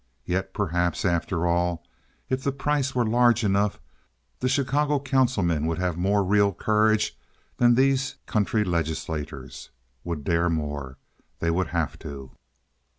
Yet perhaps, after all, if the price were large enough the Chicago councilmen would have more real courage than these country legislators—would dare more. They would have to.